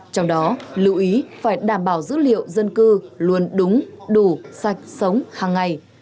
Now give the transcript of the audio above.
trong đó lưu ý phải đảm bảo dữ liệu dân cư luôn đúng đủ sạch sống hàng ngày